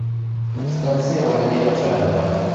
Stazione di Acerra